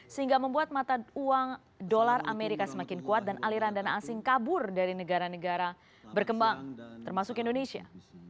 sehingga membuat mata uang dolar amerika semakin kuat dan aliran dana asing kabur dari negara negara berkembang termasuk indonesia